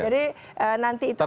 jadi nanti itu akan